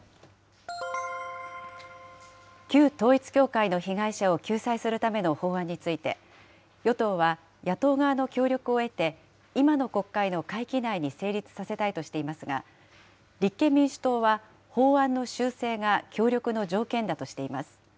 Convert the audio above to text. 旧統一教会の被害者を救済するための法案について、与党は野党側の協力を得て、今の国会の会期内に成立させたいとしていますが、立憲民主党は、法案の修正が協力の条件だとしています。